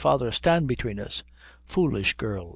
Father, stand between us!" "Foolish girl!"